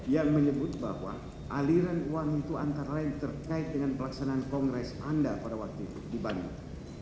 yang menyebut bahwa aliran uang itu antara lain terkait dengan pelaksanaan kongres anda pada waktu itu di bandung